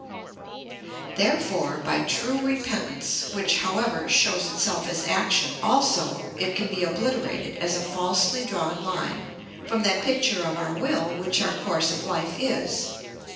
Therefore, by true repentance, which, however, shows itself as action also, it can be obliterated, as a falsely drawn line, from that picture of our will which our course of life is.